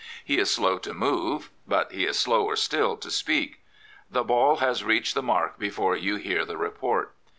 He is slow to move; but he is slower still to speak. The ball has reached the mark before you hear the report.